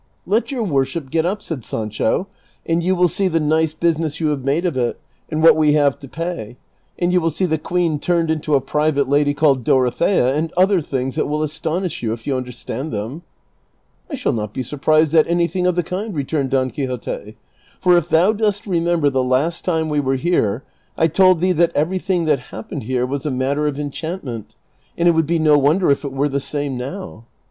" Let your Avorship get up," said Sancho, " and you Avill see the nice business you have made of it, and Avhat Ave liaA e to pay ; and you will see the queen turned into a private lady called Dorothea, and other things that Avill astonish you, if you understand them." *' I shall not be surprised at anything of the kind," returned Don Quixote ;'■' for if thou dost remember the last time Ave were here I told thee that everything that happened here Avas a matter of enchantment, and it Avould be no Avonder if it were the same noAv."